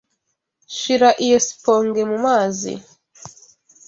Shira iyi sponge mumazi.